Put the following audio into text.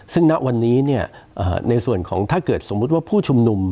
ซึ่งณวันนี้ในส่วนของถ้าเกิดสมมุติว่าผู้ชุมนุม